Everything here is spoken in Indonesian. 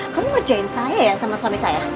kamu ngerjain saya ya sama suami saya